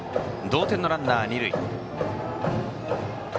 同点のランナーは二塁。